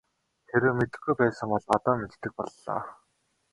Хэрэв мэдэхгүй байсан бол одоо мэддэг боллоо.